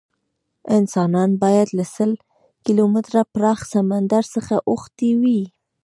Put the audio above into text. انسانان باید له سل کیلومتره پراخ سمندر څخه اوښتي وی.